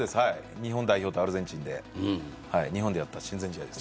日本代表とアルゼンチンで日本でやった親善試合です。